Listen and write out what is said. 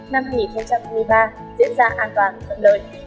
năm hai nghìn hai mươi ba diễn ra an toàn thuận lợi